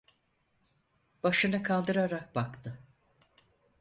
Başını kaldırarak baktı.